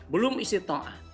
belum istri to'ah